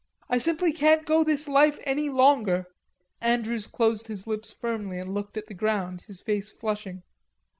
I simply can't go this life any longer." Andrews closed his lips firmly and looked at the ground, his face flushing.